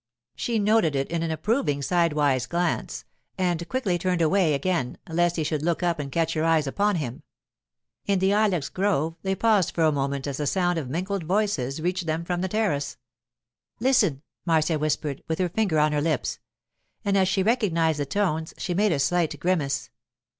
She noted it in an approving sidewise glance, and quickly turned away again lest he should look up and catch her eyes upon him. In the ilex grove they paused for a moment as the sound of mingled voices reached them from the terrace. 'Listen,' Marcia whispered, with her finger on her lips; and as she recognized the tones she made a slight grimace.